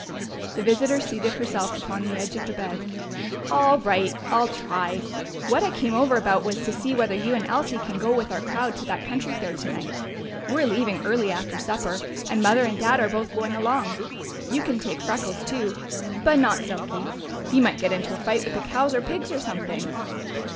The visitor seated herself upon the edge of the bed. "All right, I'll try.... What I came over about was to see whether you and Elsie can go with our crowd to that country fair tonight. We're leaving early after supper, and Mother and Dad are both going along. You can take Freckles too but not Silky. He might get into a fight with the cows or pigs or something."